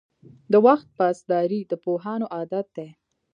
• د وخت پاسداري د پوهانو عادت دی.